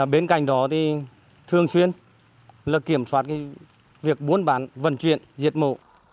bên cạnh đó thì thường xuyên là kiểm soát việc bốn bán vận chuyển diệt mộ